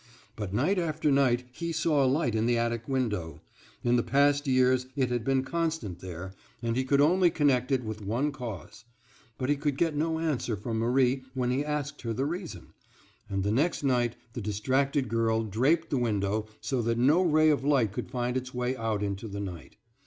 But night after night he saw a light in the attic window. In the past years it had been constant there, and he could only connect it with one cause. But he could get no answer from Marie when he asked her the reason; and the next night the distracted girl draped the window so that no ray of light could find its way out into the night.